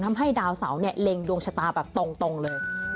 ทำให้ดาวเสาเล็งดวงชะตาตรงเลย